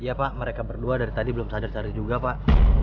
iya pak mereka berdua dari tadi belum sadar cari juga pak